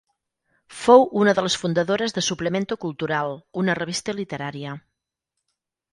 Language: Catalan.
Fou una de les fundadores de "Suplemento Cultural", una revista literària.